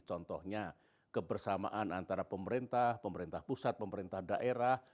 contohnya kebersamaan antara pemerintah pemerintah pusat pemerintah daerah